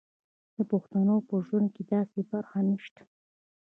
د پښتنو په ژوند کې داسې برخه نشته.